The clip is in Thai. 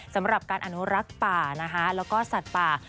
สำหรับการอนุรักษ์ป่านะคะแล้วก็สัตว์ป่า